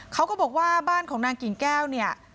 เขาก็บอกว่าบ้านของนางกิ่งแก้วเนี่ย